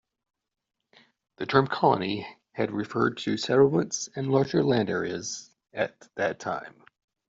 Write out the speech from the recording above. The term "colony" had referred to settlements and larger land areas at that time.